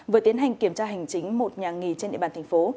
vừa tiến hành kiểm tra hành chính một nhà nghỉ trên địa bàn thành phố